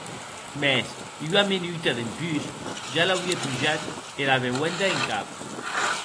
Mès ua menuta dempús ja l’auie pujat era beuenda en cap.